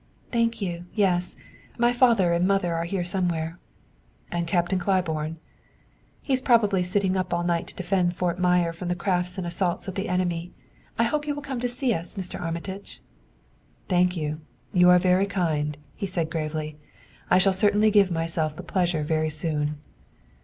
"Thank you; yes. My father and mother are here somewhere." "And Captain Claiborne?" "He's probably sitting up all night to defend Fort Myer from the crafts and assaults of the enemy. I hope you will come to see us, Mr. Armitage." "Thank you; you are very kind," he said gravely. "I shall certainly give myself the pleasure very soon."